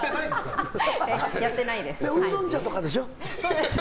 ウーロン茶とかでしょ？